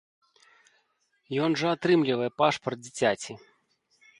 Ён жа атрымлівае пашпарт дзіцяці.